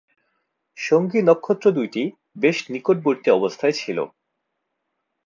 সঙ্গী নক্ষত্র দুইটি বেশ নিকটবর্তী অবস্থায় ছিল।